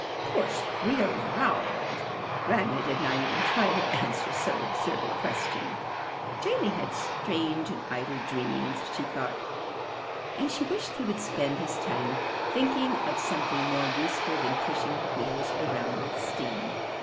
"Push wheels around!" Grandma did not even try to answer so absurd a question. Jamie had strange and idle dreams, she thought, and she wished he would spend his time thinking of something more useful than pushing wheels around with steam.